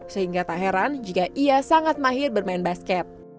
sehingga tak heran jika ia sangat mahir bermain basket